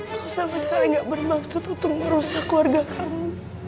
aku sama sekali gak bermaksud untuk merusak keluarga kamu